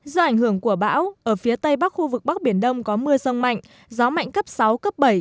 do ảnh hưởng của bão ở phía tây bắc khu vực bắc biển đông có mưa rông mạnh gió mạnh cấp sáu cấp bảy